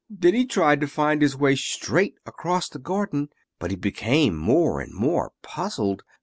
Then he tried to find his way straight across the garden, but he became more and more puzzled.